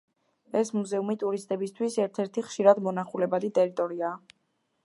ეს მუზეუმი ტურისტებისთვის ერთ-ერთი ხშირად მონახულებადი ტერიტორიაა.